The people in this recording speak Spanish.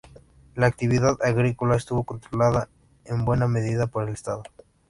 La actividad agrícola estuvo controlada en buena medida por el Estado.